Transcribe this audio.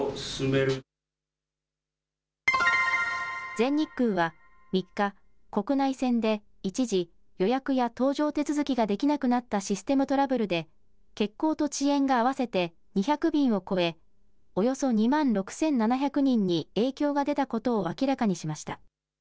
全日空は３日、国内線で一時、予約や搭乗手続きができなくなったシステムトラブルで欠航と遅延が合わせて２００便を超えおよそ２万６７００人に影響が出たことを明らかにしました。